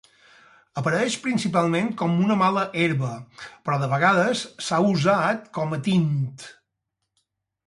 Apareix principalment com una mala herba, però de vegades s'ha usat com a tint.